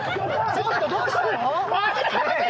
ちょっとどうしたの？